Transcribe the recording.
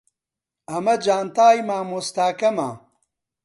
ئەمە جانتای مامۆستاکەمە.